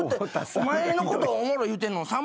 お前のことおもろい言うてんのさん